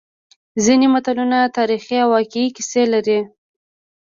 ځینې متلونه تاریخي او واقعي کیسې لري